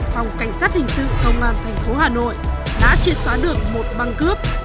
phòng cảnh sát hình sự tông an tp hà nội đã triệt xóa được một băng cướp